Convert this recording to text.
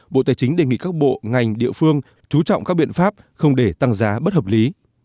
bộ tài chính đề nghị các bộ ngành địa phương chú trọng các biện pháp không để tăng giá bất hợp lý